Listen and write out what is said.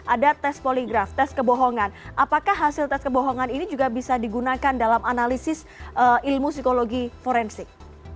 ada tes poligraf tes kebohongan apakah hasil tes kebohongan ini juga bisa digunakan dalam analisis ilmu psikologi forensik